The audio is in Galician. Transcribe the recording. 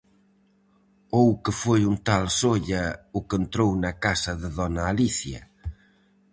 Ou que foi un tal Solla o que entrou na casa de dona Alicia.